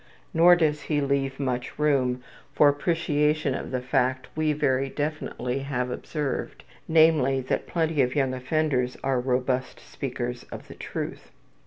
Nor does he leave much room for appreciation of the fact we very definitely have observed, namely, that plenty of young offenders are robust speakers of the truth.